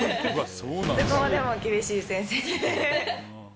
どこまでも厳しい先生。